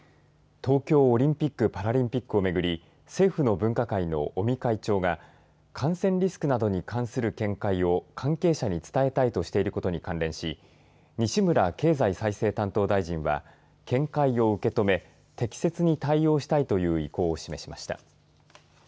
東京オリンピック・パラリンピックをめぐり政府の分科会の尾身会長が感染リスクなどに関する見解を関係者に伝えたいとしていることに関連し西村経済再生担当大臣は見解を受け止め適切に対応したいという意向を示しました。